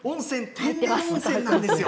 天然温泉なんですよ。